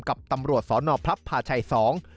กับตำรวจสพภาชัยสอง